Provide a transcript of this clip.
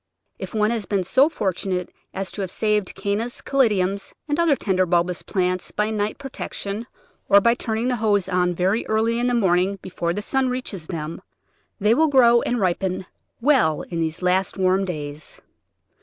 If one has been so fortunate as to have saved Cannas, Caladiums, and other tender bulbous plants by night protection or by turning the hose on very early in the morning before the sun reaches them, they will grow and ripen well in these last warm days.